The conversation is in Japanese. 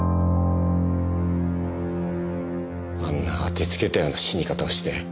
あんな当てつけたような死に方をして。